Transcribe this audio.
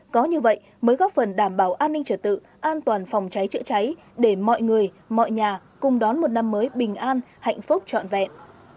có như vậy mới góp phần đảm bảo an ninh trở tự an toàn phòng cháy chữa cháy để mọi người mọi nhà cùng đón một năm mới bình an hạnh phúc trọn vẹn